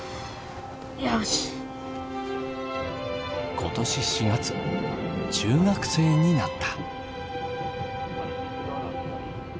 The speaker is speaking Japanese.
今年４月中学生になった。